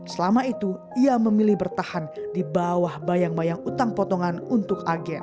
selama itu ia memilih bertahan di bawah bayang bayang utang potongan untuk agen